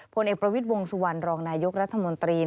ผลเอกประวิทย์วงสุวรรณรองนายกรัฐมนตรี